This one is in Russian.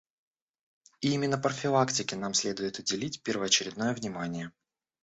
И именно профилактике нам следует уделить первоочередное внимание.